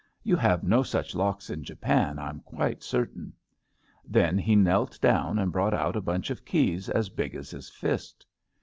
You have no such locks in Japan, I'm quite certain.'' Then he knelt down and brought out a bunch of keys as big as his fist.